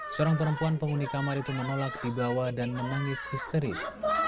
seorang perempuan penghuni kamar itu menolak dibawa dan menangis histeris